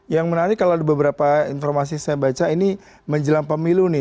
yang menarik kalau ada beberapa informasi saya baca ini menjelang pemilu nih